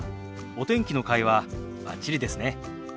お天気の会話バッチリですね。